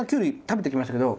食べてきましたけど